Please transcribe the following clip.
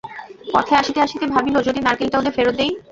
পথে আসিতে আসিতে ভাবিল-যদি নারকেলটা ওদের ফেরত দিই।